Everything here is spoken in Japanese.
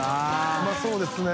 うまそうですね。